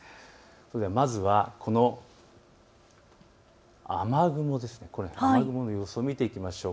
それではまずは雨雲の様子を見ていきましょう。